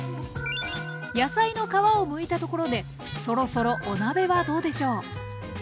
野菜の皮をむいたところでそろそろお鍋はどうでしょう？